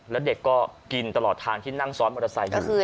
แล้วเด็กก็กินตลอดทางที่นั่งซ้อนมอเตอร์ไซค์อยู่